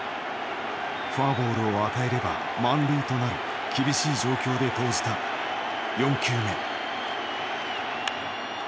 フォアボールを与えれば満塁となる厳しい状況で投じた４球目。